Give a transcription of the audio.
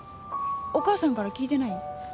お母さんから聞いてない？